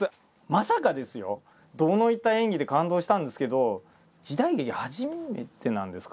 まさかですよ堂に入った演技で感動したんですけど時代劇初めてなんですか？